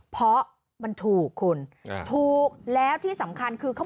เพราะมันถูก